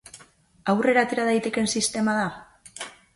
Aurrera atera daitekeen sistema da?